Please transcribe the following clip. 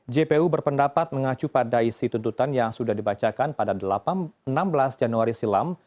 jpu berpendapat mengacu pada isi tuntutan yang sudah dibacakan pada enam belas januari silam